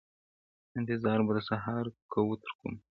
انتظار به د سهار کوو تر کومه,